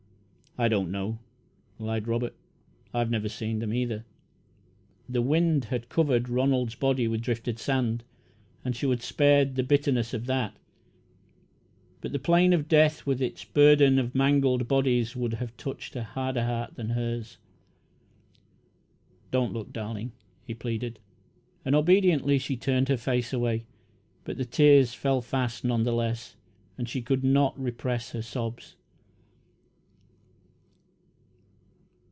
"I do not know," lied Robert. "I have never seen them, either." The wind had covered Ronald's body with drifted sand, and she was spared the bitterness of that; but the plain of death, with its burden of mangled bodies, would have touched a harder heart than hers. "Don't look, darling," he pleaded, and, obediently, she turned her face away, but the tears fell fast, none the less, and she could not repress her sobs.